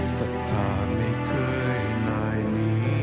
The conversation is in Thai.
สัทธาไม่เคยนายมี